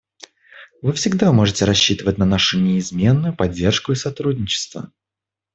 Вы всегда можете рассчитывать на нашу неизменную поддержку и сотрудничество.